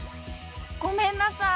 ごめんなさい。